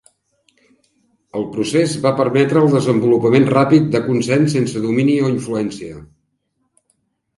El procés va permetre el desenvolupament ràpid de consens sense domini o influència.